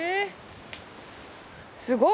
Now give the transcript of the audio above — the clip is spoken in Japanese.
すごい！